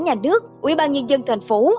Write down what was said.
nhà nước ủy ban nhân dân thành phố